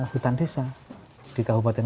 hutan desa di kabupaten